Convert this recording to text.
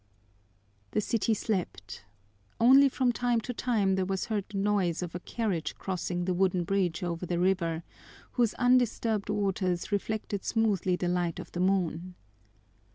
The city slept. Only from time to time there was heard the noise of a carriage crossing the wooden bridge over the river, whose undisturbed waters reflected smoothly the light of the moon.